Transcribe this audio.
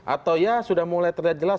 atau ya sudah mulai terlihat jelas